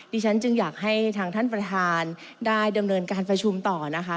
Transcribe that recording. ฉันจึงอยากให้ทางท่านประธานได้ดำเนินการประชุมต่อนะคะ